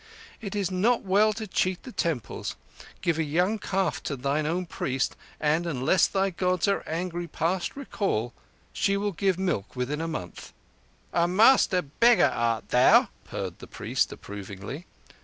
"It is not well to cheat the temples. Give a young calf to thine own priest, and, unless thy Gods are angry past recall, she will give milk within a month." "A master beggar art thou," purred the priest approvingly.